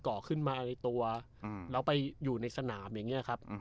เกาะขึ้นมาในตัวอืมแล้วไปอยู่ในสนามอย่างเงี้ยครับอืม